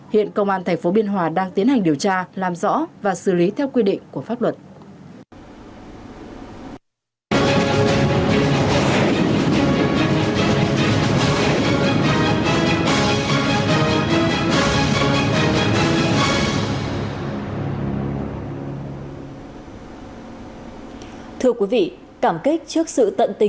hiện công an tp biên hòa đang tiến hành điều tra làm rõ và xử lý theo quy định của pháp luật